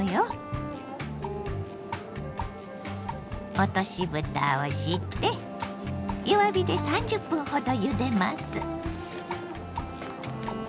落としぶたをして弱火で３０分ほどゆでます。